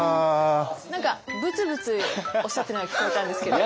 何かブツブツおっしゃってたのが聞こえたんですけど。